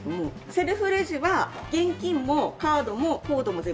セルフレジは現金もカードもコードも全部使えます。